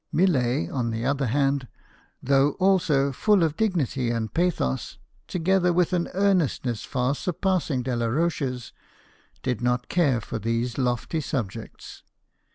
Millet, on the other hand, though also full of dignity and pathos, together with an earnestness far sur passing Delaroche's, did not care for these lofty subjects.